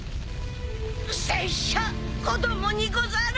拙者子供にござる。